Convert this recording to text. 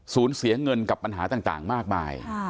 เสียเงินกับปัญหาต่างมากมาย